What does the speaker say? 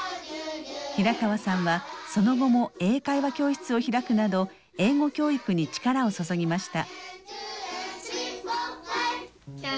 平川さんはその後も英会話教室を開くなど英語教育に力を注ぎました。